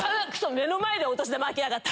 目の前でお年玉開けやがった。